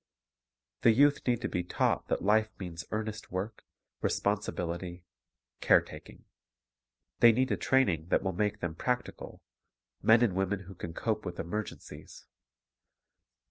The youth need to be taught that life means earnest work, responsibility, care taking. They need a training that will make them practical, — men and women who can cope with emergencies.